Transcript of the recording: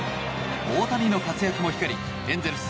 大谷の活躍も光り、エンゼルス